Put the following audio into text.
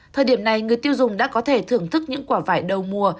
thời điểm này người tiêu dùng đã có thể thưởng thức những quả vải đầu mùa